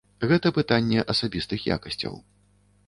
Гэта пытанне асабістых якасцяў.